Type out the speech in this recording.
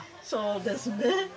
そうですね。